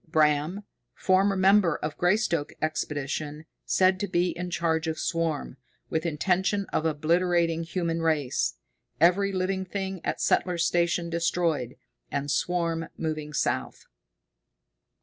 Bram, former member of Greystoke Expedition, said to be in charge of swarm, with intention of obliterating human race. Every living thing at Settler's Station destroyed, and swarm moving south.